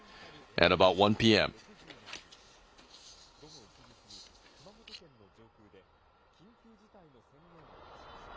午後１時過ぎ熊本県の上空で緊急事態の宣言を出しました。